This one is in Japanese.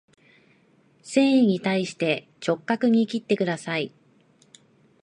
繊維に対して直角に切ってください